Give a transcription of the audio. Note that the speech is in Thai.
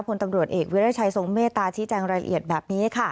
ผลตำรวจเอกวิรัชัยทรงเมตตาชี้แจงรายละเอียดแบบนี้ค่ะ